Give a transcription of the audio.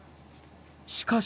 しかし。